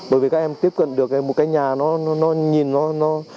bởi vì các em tiếp cận được một cái nhà nó nhìn nó sáng sớm